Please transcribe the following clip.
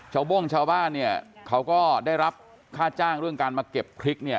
โบ้งชาวบ้านเนี่ยเขาก็ได้รับค่าจ้างเรื่องการมาเก็บพริกเนี่ย